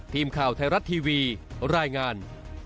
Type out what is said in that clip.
ทีมข่าวไทยรัฐทีวีรายงาน